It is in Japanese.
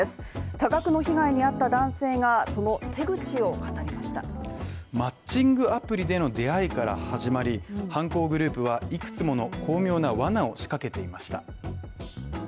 多額の被害に遭った男性が、その手口を語りましたマッチングアプリでの出会いから始まり、犯行グループは、いくつもの巧妙な罠を仕掛けていました。